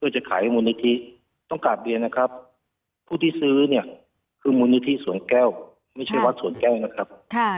จะขายให้มนุษย์ที่ต้องกลับเรียนนะครับผู้ที่ซื้อเนี่ยคือมนุษย์ที่สวนแก้วไม่ใช่วัดสวนแก้วนะครับ